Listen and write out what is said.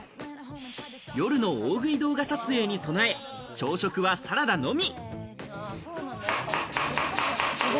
夜の大食い動画撮影に備え、朝食はサラダのみ。